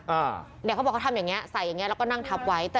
เดี๋ยวเขาบอกเขาทำอย่างนี้ใส่อย่างนี้แล้วก็นั่งทับไว้แต่